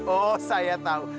oh saya tahu